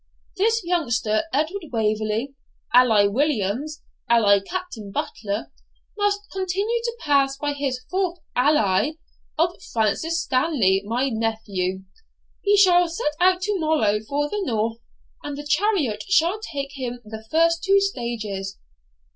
This youngster, Edward Waverley, alias Williams, alias Captain Butler, must continue to pass by his fourth ALIAS of Francis Stanley, my nephew; he shall set out to morrow for the North, and the chariot shall take him the first two stages.